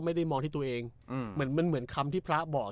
ไม่ได้มองที่ตัวเองเหมือนมันเหมือนคำที่พระบอก